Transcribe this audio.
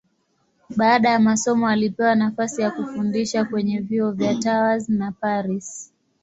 Baada ya masomo alipewa nafasi ya kufundisha kwenye vyuo vya Tours na Paris.